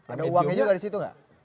ada uangnya juga di situ nggak